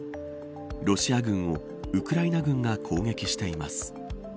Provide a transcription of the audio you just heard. ロシア軍をウクライナが攻撃しています。